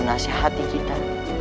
nasihat di kita